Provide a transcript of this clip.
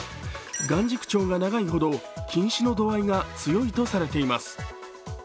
眼軸長が長いほど近視の度合いが強いとされています。